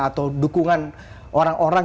atau dukungan orang orang